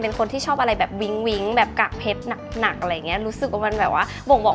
เป็นคนที่ชอบอะไรแบบวิ้งแบบกัก